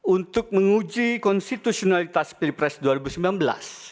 untuk menguji konstitusionalitas peer price dua ribu sembilan belas